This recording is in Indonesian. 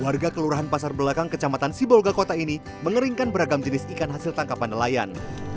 warga kelurahan pasar belakang kecamatan sibolga kota ini mengeringkan beragam jenis ikan hasil tangkapan nelayan